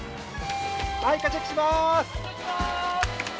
はい一回チェックします！